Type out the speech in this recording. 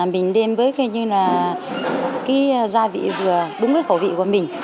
mình đem với cái gia vị vừa đúng với khẩu vị của mình